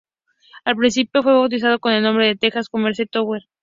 Al principio fue bautizado con el nombre de "Texas Commerce Tower".